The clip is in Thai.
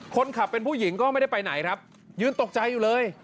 คนขับเป็นผู้หญิงก็ไม่ได้ไปไหนครับยืนตกใจอยู่เลย